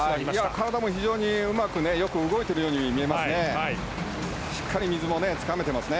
体もうまく動いているように見えますね。